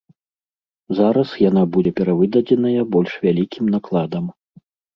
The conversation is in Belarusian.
Зараз яна будзе перавыдадзеная больш вялікім накладам.